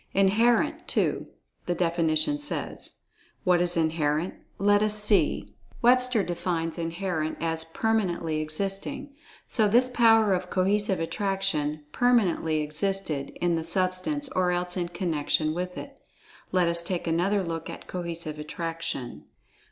"Inherent," too, the definition says. What is "Inherent?" Let us see, Webster defines "Inherent" as "permanently existing." So this power of Cohesive Attraction "permanently existed" in the Substance or else in connection with it. Let us take another look at Cohesive Attraction.